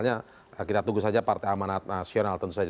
secara formalnya kita tunggu saja partai amanah nasional tentu saja